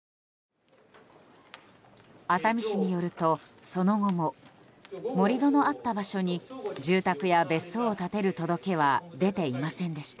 熱海市によると、その後も盛り土のあった場所に住宅や別荘を建てる届けは出ていませんでした。